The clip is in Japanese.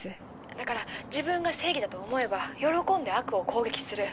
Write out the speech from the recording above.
だから自分が正義だと思えば喜んで悪を攻撃する。